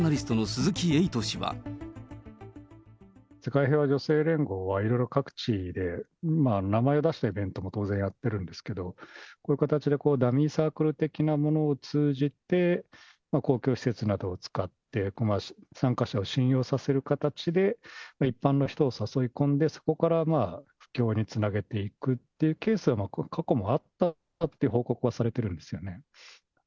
世界平和女性連合は、いろいろ各地で、名前を出したイベントも当然やってるんですけど、こういう形で、ダミーサークル的なものを通じて、公共施設などを使って、参加者を信用させる形で、一般の人を誘い込んで、そこからまあ、布教につなげていくっていうケースは、過去もあったっていう報告はされてるんですよね。